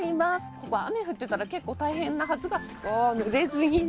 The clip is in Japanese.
ここ雨降ってたら結構大変なはずがぬれずにね。